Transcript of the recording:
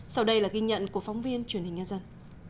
sau đây là ghi nhận của phóng viên truyền hình nhân dân